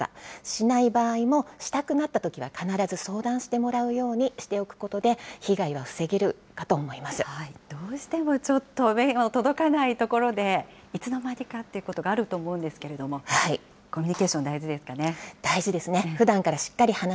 しない場合もしたくなったときは必ず相談してもらうようにしておくことで、被害は防げるかと思いどうしてもちょっと、目の届かない所でいつの間にかっていうことがあると思うんですけれども、大事ですね。